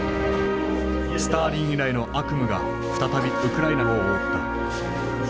スターリン以来の悪夢が再びウクライナを覆った。